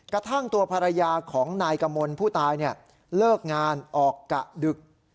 กระทั่งตัวภรรยาของนายกมลผู้ตายเลิกงานออกกะดึก